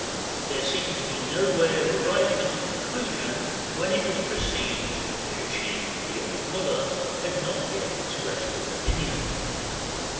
There seemed to be no way of arriving at a conclusion, when it was perceived that their chief, the old mollah, had not yet expressed an opinion.